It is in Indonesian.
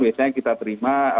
biasanya kita terima